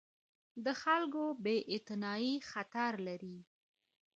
د خلکو بې اعتنايي خطر لري